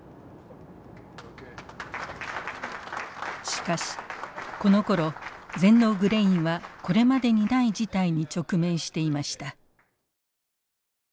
しかしこのころ全農グレインはこれまでにない事態に直面していました。